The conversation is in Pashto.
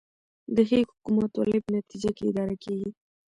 د ښې حکومتولې په نتیجه کې اداره کیږي